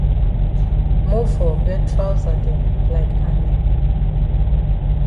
Mofor get trousa dem like Anye.